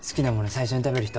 最初に食べる人？